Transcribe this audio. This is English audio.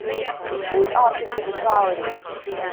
The state ought to give equality.